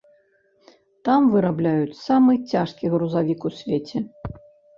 Там вырабляюць самы цяжкі грузавік у свеце.